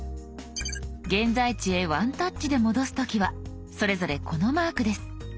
現在地へワンタッチで戻す時はそれぞれこのマークです。